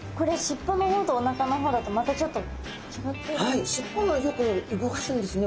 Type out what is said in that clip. はい尻尾はよく動かすんですね